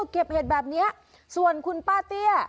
เก็บเห็ดแบบนี้ส่วนคุณป้าเตี้ย